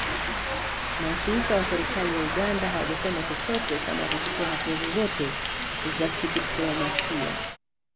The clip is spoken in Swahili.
Maafisa wa serikali ya Uganda hawajasema chochote kama watachukua hatua zozote za kidiplomasia